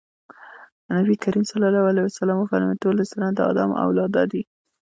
نبي کريم ص وفرمايل ټول انسانان د ادم اولاده دي.